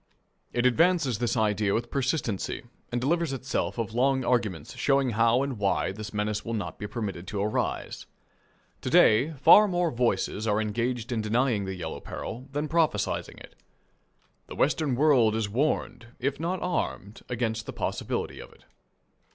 It advances this idea with persistency, and delivers itself of long arguments showing how and why this menace will not be permitted to arise. To day, far more voices are engaged in denying the yellow peril than in prophesying it. The Western world is warned, if not armed, against the possibility of it.